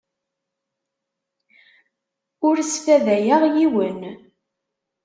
Ur sfadayeɣ yiwen.